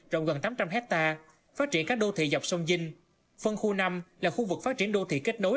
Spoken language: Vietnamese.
rộng gần tám trăm linh hectare phát triển các đô thị dọc sông vinh phân khu năm là khu vực phát triển đô thị kết nối